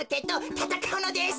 たたかうのです。